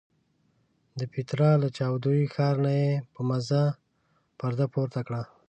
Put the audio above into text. د پیترا له جادویي ښار نه یې په مزه پرده پورته کړه.